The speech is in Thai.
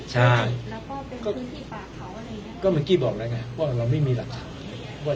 หัวกรรมในสถานที่ที่เกิดเห็นก็ไม่มีกล้องวงจรปิด